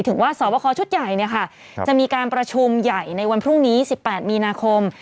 ถึงว่าสอบคอชุดใหญ่จะมีการประชุมใหญ่ในวันพรุ่งนี้๑๘มีนาคม